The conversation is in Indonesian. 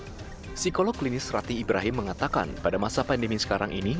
psikolog klinis rati ibrahim mengatakan pada masa pandemi sekarang ini